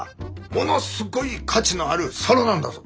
ものすごい価値のある皿なんだぞ。